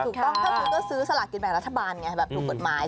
ถูกต้องถ้าคุณก็ซื้อสลากกินแบ่งรัฐบาลไงแบบถูกกฎหมาย